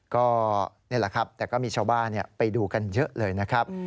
ก็นี่แหละครับแต่ก็มีชาวบ้านไปดูกันเยอะเลยนะครับ